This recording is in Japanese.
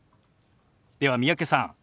では三宅さん